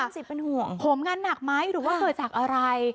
สิทธิ์เป็นห่วงผมงานหนักไหมหรือว่าเกิดจากอะไร